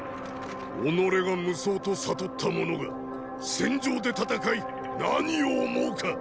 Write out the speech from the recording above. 己が無双と悟った者が戦場で戦い何を思うか。